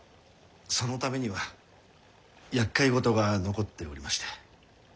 そのためにはやっかい事が残っておりまして。